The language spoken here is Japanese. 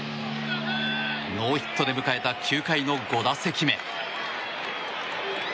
ノーヒットで迎えた９回の５打席目。